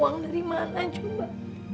uang dari mana juga